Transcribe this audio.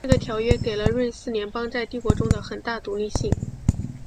这个条约给了瑞士邦联在帝国中的很大的独立性。